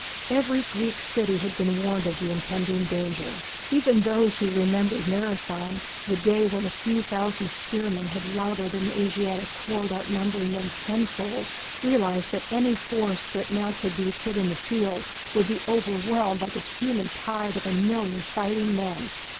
Every Greek city had been warned of the impending danger. Even those who remembered Marathon, the day when a few thousand spearmen had routed an Asiatic horde outnumbering them tenfold, realized that any force that now could be put in the field would be overwhelmed by this human tide of a million fighting men.